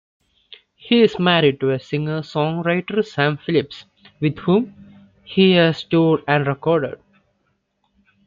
He is married to singer-songwriter Sam Phillips, with whom he has toured and recorded.